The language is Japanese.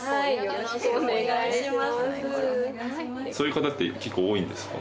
よろしくお願いします。